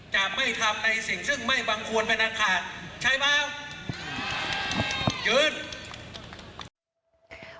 จะไม่ทำในสิ่งซึ่งไม่วางควรเป็นอันขาดใช่เปล่ายืน